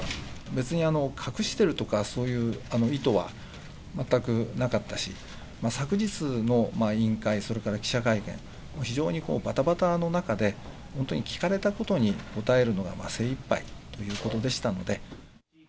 別に隠してるとか、そういう意図は全くなかったし、昨日の委員会、それから記者会見、非常にばたばたの中で、本当に聞かれたことに答えるのが精いっぱいということでしたので。